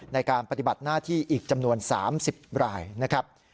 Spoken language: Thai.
ในการปฏิบัติหน้าที่อีกจำนวน๓๐รายนะครับ